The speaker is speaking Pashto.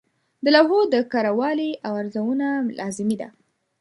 د لوحو د کره والي ارزونه لازمي وه.